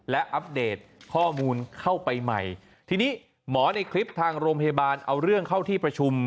และอัปเดตข้อมูลเข้าไปใหม่ทีนี้หมอในคลิปทางโรงพยาบาลเอาเรื่องเข้าที่ประชุม